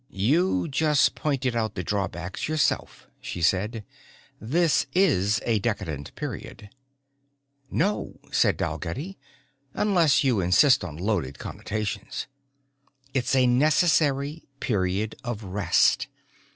"You just pointed out the drawbacks yourself," she said. "This is a decadent period." "No," said Dalgetty. "Unless you insist on loaded connotations. It's a necessary period of rest.